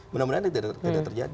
mudah mudahan tidak terjadi